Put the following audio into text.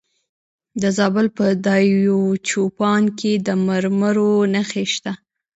د زابل په دایچوپان کې د مرمرو نښې شته.